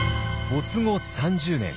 没後３０年。